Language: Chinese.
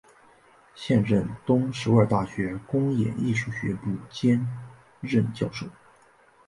现任东首尔大学公演艺术学部兼任教授。